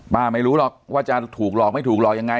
ไม่รู้หรอกว่าจะถูกหลอกไม่ถูกหลอกยังไง